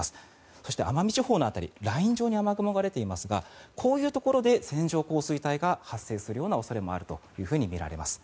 そして、奄美地方の辺りライン状に雨雲が出ていますがこういうところで線状降水帯が発生するような恐れもあるとみられます。